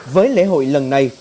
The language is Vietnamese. với lễ hội lần này